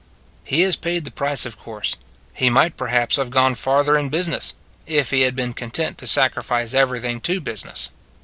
He has paid the price, of course; he might perhaps have gone farther in busi ness if he had been content to sacrifice everything to business.